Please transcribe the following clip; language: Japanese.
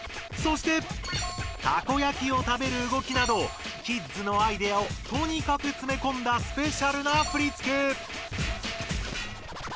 そしてたこ焼きを食べる動きなどキッズのアイデアをとにかくつめこんだスペシャルな振付。